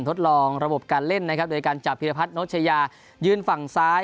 ทดลองระบบการเล่นนะครับโดยการจับพิรพัฒนโชชยายืนฝั่งซ้าย